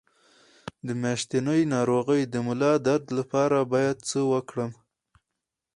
د میاشتنۍ ناروغۍ د ملا درد لپاره باید څه وکړم؟